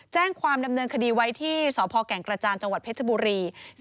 แจ้งความดำเนินคดีไว้ที่สพแก่งกระจานจังหวัดเพชรบุรี